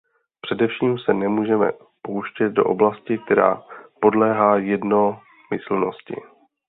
Především se nemůžeme pouštět do oblasti, která podléhá jednomyslnosti.